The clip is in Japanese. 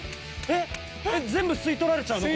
えっ全部吸い取られちゃうの？